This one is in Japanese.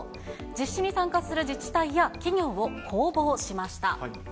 実施に参加する自治体や企業を公募しました。